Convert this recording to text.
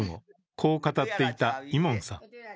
こう語っていたイモンさん。